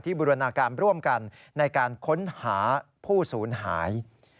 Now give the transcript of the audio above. ที่บริวรณาการร่วมกันในการค้นหาผู้ศูนย์หาย